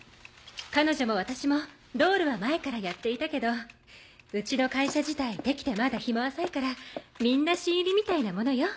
彼女も私もドールは前からやっていたけどうちの会社自体出来てまだ日も浅いからみんな新入りみたいなものよ。